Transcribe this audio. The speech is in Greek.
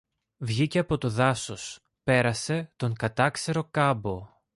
Βγήκε από το δάσος, πέρασε τον κατάξερο κάμπο